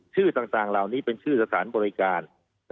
ชื่อต่างเหล่านี้เป็นชื่อสถานบริการ